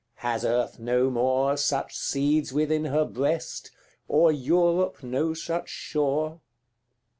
Has Earth no more Such seeds within her breast, or Europe no such shore?